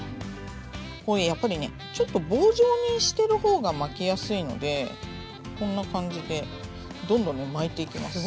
これやっぱりねちょっと棒状にしてる方が巻きやすいのでこんな感じでどんどん巻いていきます。